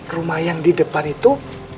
rumah yang di depan itu